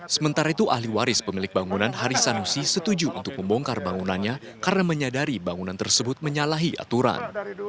sementara itu ahli waris pemilik bangunan haris sanusi setuju untuk membongkar bangunannya karena menyadari bangunan tersebut menyalahi aturan